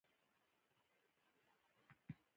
کوم احساس يې د کتاب په مخکې خنډ نه ګرځي.